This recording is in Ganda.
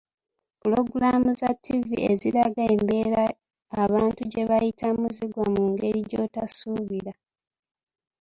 Pulogulaamu za ttivi eziraga embeera abantu gye bayitamu ziggwa mu ngeri gy'otasuubira.